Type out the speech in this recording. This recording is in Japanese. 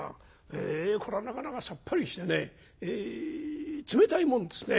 へえこれはなかなかさっぱりしてね冷たいもんですね」。